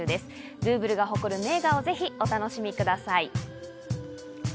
ルーヴルが誇る名画をぜひお楽しみください。